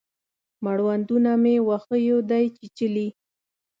مړوندونه مې وښیو دی چیچلي